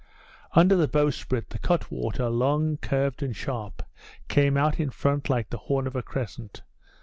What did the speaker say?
Under the bowsprit the cutwater, long, curved, and sharp, came out in front like the horn of a crescent.